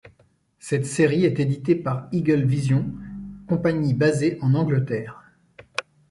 Cette série est éditée par Eagle Vision, compagnie basée en Angleterre.